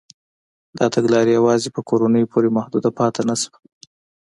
دا تګلاره یوازې په کورنیو پورې محدوده پاتې نه شوه.